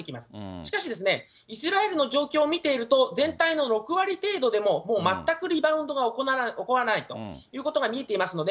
しかし、イスラエルの状況を見ていると、全体の６割程度でも、もう全くリバウンドが起こらないということが見えていますので、